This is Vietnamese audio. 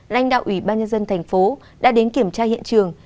lãnh đạo ủy ban nhân dân tp cn đã đến kiểm tra hiện trường